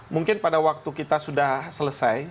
mungkin pada waktu kita sudah selesai